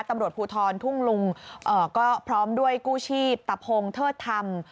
ตำรวจภูทรทุ่งลุงก็พร้อมด้วยกู้ชีพตะพงเทิดธรรม